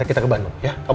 kita ke bandung ya